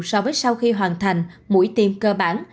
so với sau khi hoàn thành mũi tiêm cơ bản